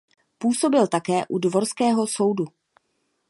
Působil také u dvorského soudu.